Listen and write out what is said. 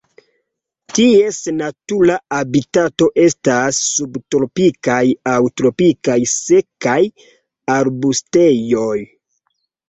Ties natura habitato estas subtropikaj aŭ tropikaj sekaj arbustejoj.